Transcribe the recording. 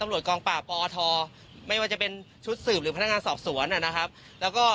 ลองไปฟังเสียงวันยากาศช่วงนี้กันค่ะ